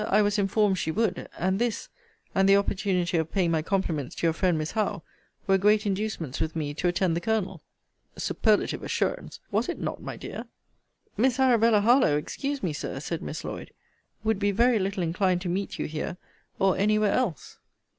I was informed she would and this, and the opportunity of paying my compliments to your friend Miss Howe, were great inducements with me to attend the Colonel. Superlative assurance! was it not, my dear? Miss Arabella Harlowe, excuse me, Sir, said Miss Lloyd, would be very little inclined to meet you here, or any where else.